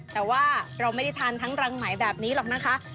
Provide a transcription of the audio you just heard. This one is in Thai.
แต่ว่าเราไม่ได้ทานทั้งรังไหมแบบนี้หรอกนะคะ